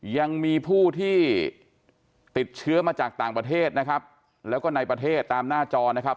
ยังมีผู้ที่ติดเชื้อมาจากต่างประเทศนะครับแล้วก็ในประเทศตามหน้าจอนะครับ